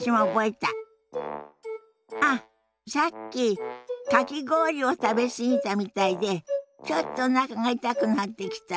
あっさっきかき氷を食べ過ぎたみたいでちょっとおなかが痛くなってきたわ。